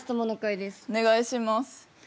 お願いします。